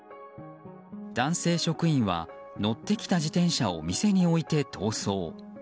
男性職員は乗ってきた自転車を店に置いて逃走。